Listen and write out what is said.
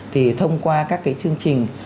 thì thông qua các cái chương trình